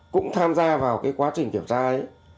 cũng tham gia vào cái quá trình kiểm tra ấy